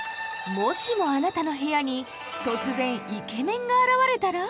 もしもあなたの部屋に突然イケメンが現れたら？